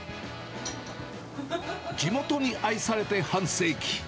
地元に愛されて半世紀。